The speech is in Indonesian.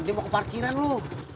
dia mau ke parkiran lo